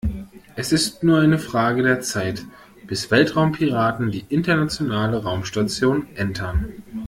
Es ist nur eine Frage der Zeit, bis Weltraumpiraten die Internationale Raumstation entern.